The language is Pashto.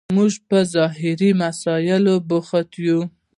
موږ په ظاهري مسایلو بوخت یو.